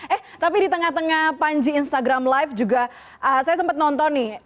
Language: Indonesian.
eh tapi di tengah tengah panji instagram live juga saya sempat nonton nih